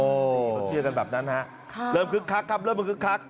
เขาเชื่อกันแบบนั้นฮะเริ่มคึกคักครับเริ่มมาคึกคัก